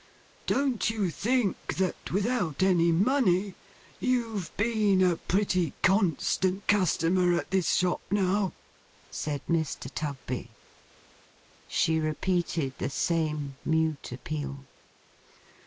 Don't you think that, without any money, you've been a pretty constant customer at this shop, now?' said Mr. Tugby. She repeated the same mute appeal.